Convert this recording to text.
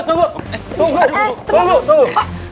tunggu tunggu tunggu